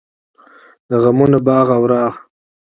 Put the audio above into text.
د غمونو باغ او راغ.